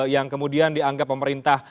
yang kemudian dianggap pemerintah